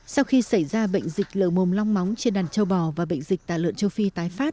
sau khi xảy ra bệnh dịch lờ mồm long móng trên đàn châu bò và bệnh dịch tả lợn châu phi tái phát